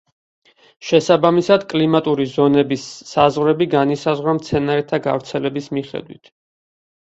შესაბამისად, კლიმატური ზონების საზღვრები განისაზღვრა მცენარეთა გავრცელების მიხედვით.